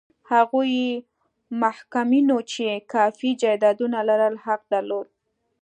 هغو محکومینو چې کافي جایدادونه لرل حق درلود.